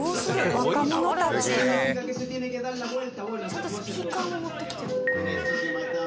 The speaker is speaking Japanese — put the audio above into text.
ちゃんとスピーカーも持ってきてる。